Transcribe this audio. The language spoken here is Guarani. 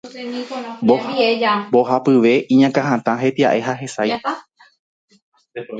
Mbohapyve iñakãhatã, hetia'e ha hesãi.